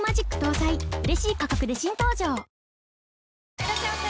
いらっしゃいませ！